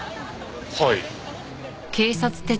はい。